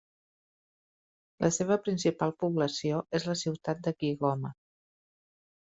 La seva principal població és la ciutat de Kigoma.